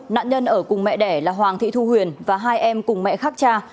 nạn nhân ở cùng mẹ đẻ là hoàng thị thu huyền và hai em cùng mẹ khác cha